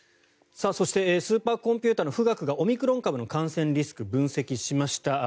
そしてスーパーコンピューターの富岳がオミクロン株のリスクを分析しました。